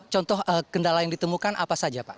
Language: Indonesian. contoh kendala yang ditemukan apa saja pak